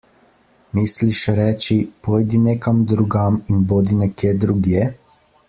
Misliš reči, pojdi nekam drugam in bodi nekje drugje?